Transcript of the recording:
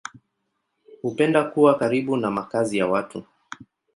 Hupenda kuwa karibu na makazi ya watu.